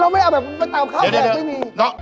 เราไม่เอาแบบไปเตาข้าวแขกไม่มี